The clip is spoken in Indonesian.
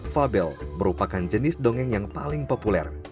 fabel merupakan jenis dongeng yang paling populer